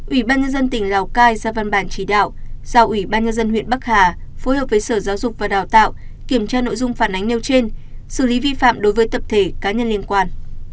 ủy ban nhân dân tỉnh lào cai ra văn bản chỉ đạo giao ủy ban nhân dân huyện bắc hà phối hợp với sở giáo dục và đào tạo kiểm tra nội dung phản ánh nêu trên xử lý vi phạm đối với tập thể cá nhân liên quan